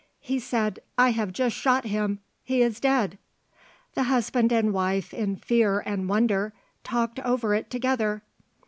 He said, 'I have just shot him, he is dead.'" The husband and wife in fear and wonder talked over it together.